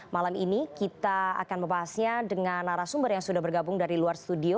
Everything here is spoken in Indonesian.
malam ini kita akan membahasnya dengan narasumber yang sudah bergabung dari luar studio